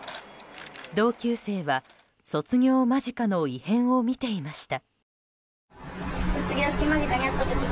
同級生は卒業間近の異変を見ていました。